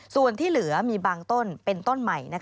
ส่วนที่เหลือมีบางต้นเป็นต้นใหม่